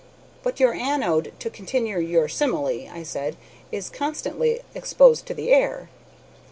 "But your anode, to continue your simile," I said, "is constantly exposed to the air."